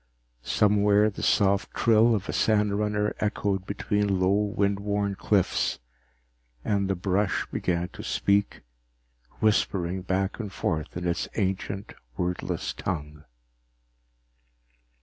Somewhere the soft trill of a sandrunner echoed between low wind worn cliffs, and the brush began to speak, whispering back and forth in its ancient wordless tongue.